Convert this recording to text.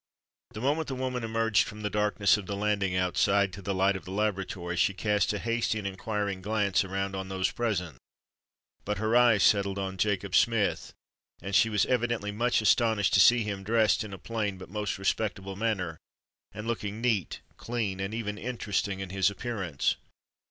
The moment the woman emerged from the darkness of the landing outside to the light of the laboratory, she cast a hasty and inquiring glance around on those present; but her eyes settled on Jacob Smith, and she was evidently much astonished to see him dressed in a plain but most respectable manner, and looking neat, clean, and even interesting in his appearance.